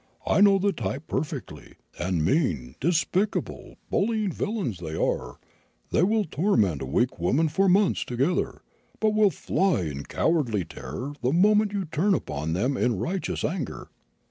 I know the type perfectly, and mean, despicable, bullying villains they are; they will torment a weak woman for months together, but will fly in cowardly terror the moment you turn upon them in righteous anger!